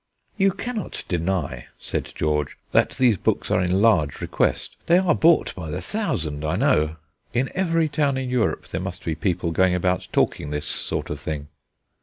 "You cannot deny," said George, "that these books are in large request. They are bought by the thousand, I know. In every town in Europe there must be people going about talking this sort of thing."